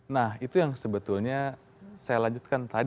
nah itu yang sebetulnya saya lanjutkan tadi